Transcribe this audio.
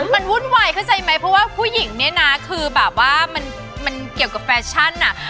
มันวุ่นวายเข้าใจไหมเพราะว่าผู้หญิงเนี่ยนะคือแบบว่ามันเกี่ยวกับแฟชั่นอ่ะ